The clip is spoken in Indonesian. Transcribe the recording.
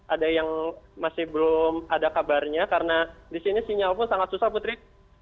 ada yang masih belum ada kabarnya karena di sini sinyal pun sangat susah putri